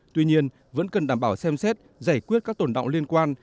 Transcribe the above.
tuy nhiên vẫn cần đảm bảo xem xét giải quyết các tổn đạo liên quan